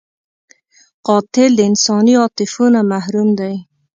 قاتل د انساني عاطفو نه محروم دی